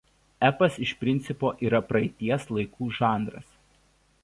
Epas iš principo yra praeities laikų žanras.